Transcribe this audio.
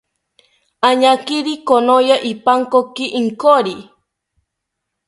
Añakiri konoya ipankoki inkori